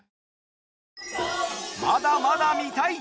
まだまだ見たい。